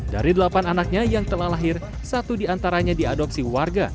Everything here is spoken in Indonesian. dari delapan anaknya yang telah lahir satu diantaranya diadopsi warga